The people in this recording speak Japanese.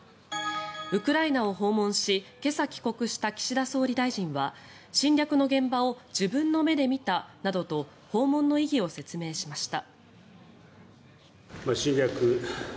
ウクライナを訪問し今朝帰国した岸田総理大臣は侵略の現場を自分の目で見たなどと訪問の意義を説明しました。